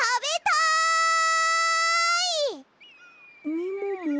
みもも？